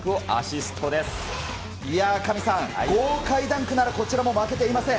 いや、かみさん、豪快ダンクならこちらも負けていません。